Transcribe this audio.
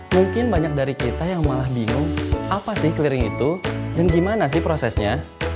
mungkin banyak dari kita yang malah bingung apa sih clearing itu dan gimana sih prosesnya